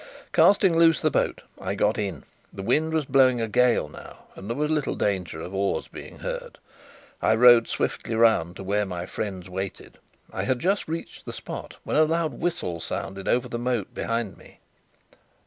Casting loose the boat, I got in. The wind was blowing a gale now, and there was little danger of oars being heard. I rowed swiftly round to where my friends waited. I had just reached the spot, when a loud whistle sounded over the moat behind me.